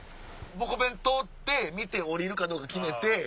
ポコペン通って見て降りるかどうか決めて。